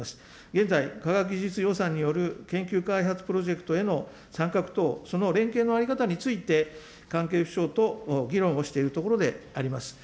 現在、科学技術予算による研究開発プロジェクトへの参画等、その連携の在り方について関係府省と議論をしているところであります。